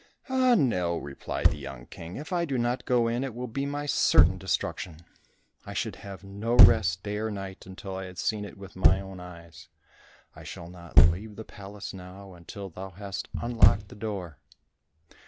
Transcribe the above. "Ah, no," replied the young King, "if I do not go in, it will be my certain destruction. I should have no rest day or night until I had seen it with my own eyes. I shall not leave the place now until thou hast unlocked the door."